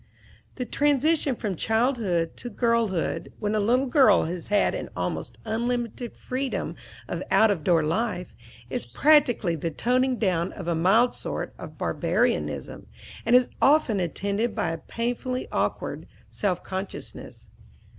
The transition from childhood to girlhood, when a little girl has had an almost unlimited freedom of out of door life, is practically the toning down of a mild sort of barbarianism, and is often attended by a painfully awkward self consciousness.